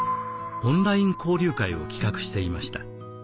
オンライン交流会を企画していました。